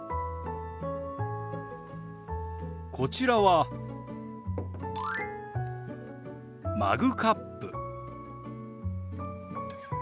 こちらはマグカップ。